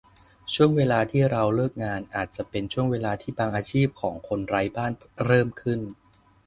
ช่วงเวลาที่เราเลิกงาน อาจจะเป็นช่วงเวลาที่บางอาชีพของคนไร้บ้านเริ่มขึ้น